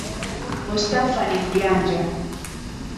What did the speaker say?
mustafa ni mjanja